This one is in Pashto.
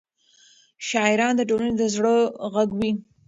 شاعران د ټولنې د زړه غږ وي.